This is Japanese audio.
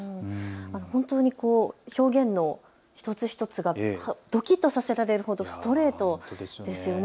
本当に表現の一つ一つがどきっとさせられるほどストレートですよね。